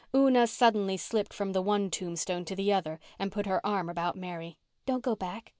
Una suddenly slipped from the one tombstone to the other and put her arm about Mary. "Don't go back.